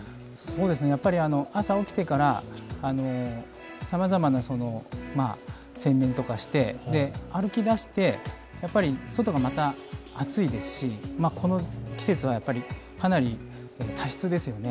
朝起きてから、さまざまな洗面とかして歩き出して、外がまた暑いですしこの季節はかなり多湿ですよね。